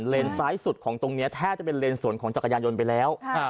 ซ้ายสุดของตรงนี้แทบจะเป็นเลนสวนของจักรยานยนต์ไปแล้ว